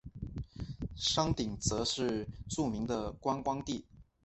山顶则是著名的观光地。